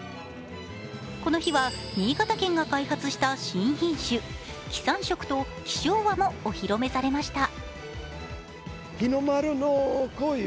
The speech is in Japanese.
この日は新潟県が開発した新品種、黄三色と黄昭和もお披露目されました。